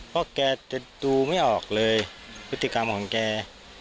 เพราะแกจะดูไม่ออกเลยพฤติกรรมของแก